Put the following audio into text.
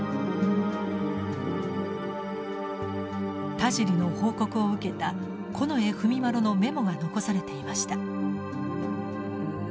田尻の報告を受けた近衛文麿のメモが残されていました。